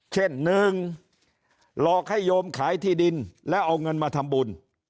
เช่นหนึ่งหลอกให้โยมขายที่ดินแล้วเอาเงินมาทำบุญ